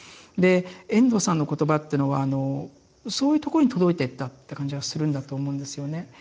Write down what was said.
で遠藤さんの言葉ってのはあのそういうとこに届いていったって感じがするんだと思うんですよね。